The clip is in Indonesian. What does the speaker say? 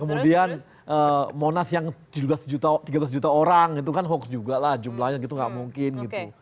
kemudian monas yang tiga belas juta orang itu kan hoax juga lah jumlahnya gitu nggak mungkin gitu